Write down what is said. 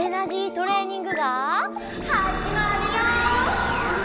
トレーニングがはじまるよ！